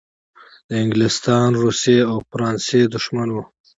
د انګلستان، روسیې او فرانسې دښمن وو.